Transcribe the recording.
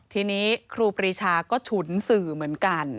ทีนี้ครูปรีชาก็ฉุนสื่อเหมือนกัน